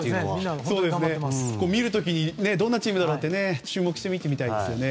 見る時にどんなチームだろうって注目して見てみたいですね。